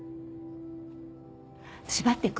縛ってく？